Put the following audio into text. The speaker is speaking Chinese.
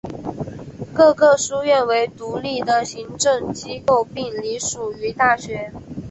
各个书院为独立的行政机构并隶属于大学。